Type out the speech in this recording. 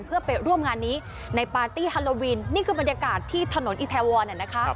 เพื่อไปร่วมงานนี้ในปาร์ตี้ฮาโลวินนี่คือบรรยากาศที่ถนนอิทาวรเนี่ยนะคะ